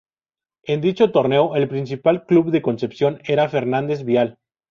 En dicho torneo el principal club de Concepción era Fernández Vial.